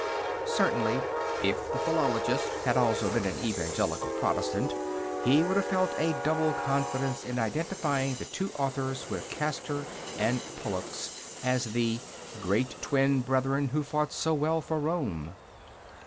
Certainly, if the philologist had also been an evangelical Protestant, he would have felt a double confidence in identifying the two authors with Castor and Pollux as the Great Twin Brethren, Who fought so well for Rome.